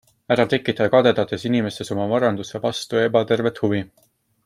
Ära tekita kadedates inimestes oma varanduse vastu ebatervet huvi.